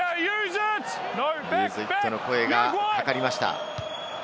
ユーズイットの声がかかりました。